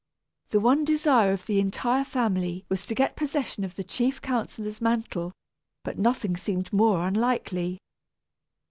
The one desire of the entire family was to get possession of the chief counsellor's mantle, but nothing seemed more unlikely.